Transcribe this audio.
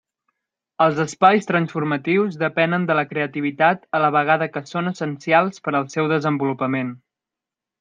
Els espais transformatius depenen de la creativitat a la vegada que són essencials per al seu desenvolupament.